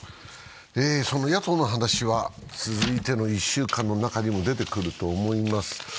野党の話は続いての「１週間」の中にも出てくると思います。